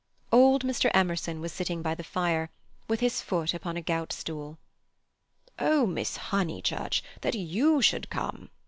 Old Mr. Emerson was sitting by the fire, with his foot upon a gout stool. "Oh, Miss Honeychurch, that you should come!"